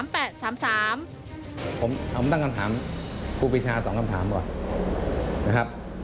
ผมตั้งคำถามครูปีชา๒คำถามก่อนนะครับ